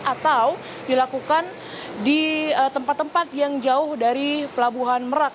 atau dilakukan di tempat tempat yang jauh dari pelabuhan merak